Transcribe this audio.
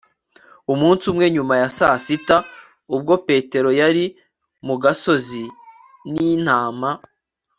umunsi umwe nyuma ya saa sita, ubwo petero yari mu gasozi n'intama